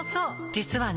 実はね